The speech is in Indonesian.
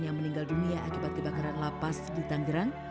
yang meninggal dunia akibat kebakaran lapas di tanggerang